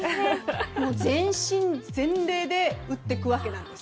全身全霊で打っていくわけなんです。